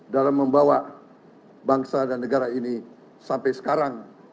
dalam membawa bangsa dan negara ini sampai sekarang